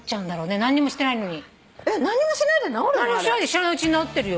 知らないうちに治ってるよ。